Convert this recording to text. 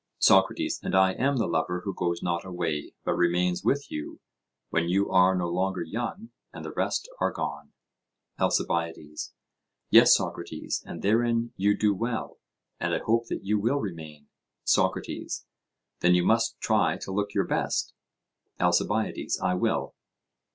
SOCRATES: And I am the lover who goes not away, but remains with you, when you are no longer young and the rest are gone? ALCIBIADES: Yes, Socrates; and therein you do well, and I hope that you will remain. SOCRATES: Then you must try to look your best. ALCIBIADES: I will.